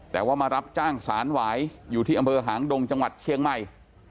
แต่ว่ามารับจ้างสารหวายอยู่ที่อำเภอหางดงจังหวัดเชียงใหม่